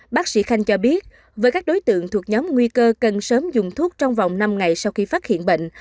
bác sĩ khanh cho biết với các đối tượng thuộc nhóm nguy cơ cần sớm dùng thuốc trong vòng năm ngày sau khi phát hiện bệnh